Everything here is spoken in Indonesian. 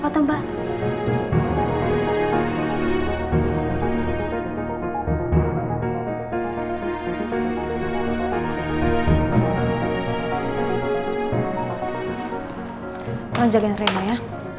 tolong jagain rena ya